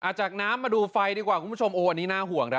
จากน้ำมาดูไฟดีกว่าคุณผู้ชมโอ้อันนี้น่าห่วงนะ